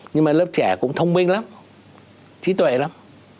nhưng mà lớp trẻ cũng thông minh lắm trí tuệ lắm